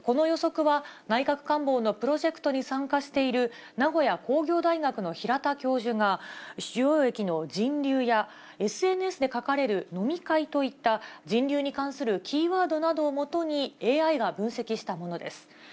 この予測は、内閣官房のプロジェクトに参加している名古屋工業大学の平田教授が、主要駅の人流や、ＳＮＳで書かれる飲み会といった人流に関するキーワードなどをもとにＡＩが分析したものです。